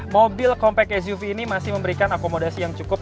mobil compact suv ini masih memberikan akomodasi yang cukup